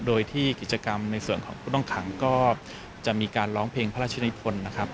โดยที่กิจกรรมในส่วนของผู้ต้องขังก็จะมีการร้องเพลงพระราชนิพลนะครับ